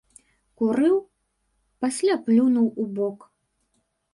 Курыў, пасля плюнуў убок.